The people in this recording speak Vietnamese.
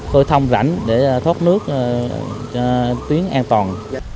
hơi thông rảnh để thoát nước cho tuyến an toàn